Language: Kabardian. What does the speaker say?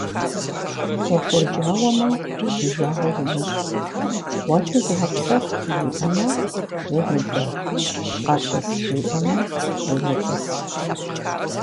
Къохъурджауэмэ, уи жагъуэ умыщӏ, гъуэлъи зыгъэпсэху жиӏэмэ – умыдэ, къэтӏыс жиӏэмэ – умытӏыс.